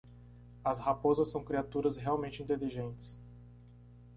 As raposas são criaturas realmente inteligentes.